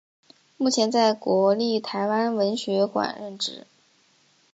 目前在国立台湾文学馆任职。